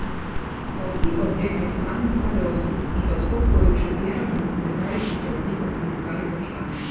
Ваўкі падбеглі к самым калёсам і, падскокваючы перадам, кульгалі і сярдзіта бліскалі вачамі.